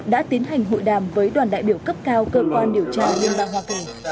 đã tiến hành hội đàm với đoàn đại biểu cấp cao cơ quan điều tra liên bang hoa kỳ